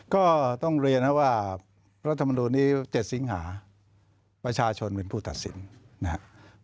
ก็ต้องเรียนนะว่ารัฐมนุนนี้๗สิงหาประชาชนเป็นผู้ตัดสินนะครับ